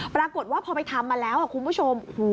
ปรากฏว่าพอไปทำมาแล้วคุณผู้ชม